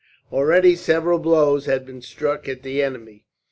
Already several blows had been struck at the enemy.